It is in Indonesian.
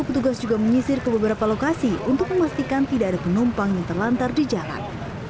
petugas juga menyisir ke beberapa lokasi untuk memastikan tidak ada penumpang yang terlantar di jalan